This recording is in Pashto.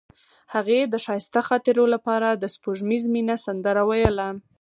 هغې د ښایسته خاطرو لپاره د سپوږمیز مینه سندره ویله.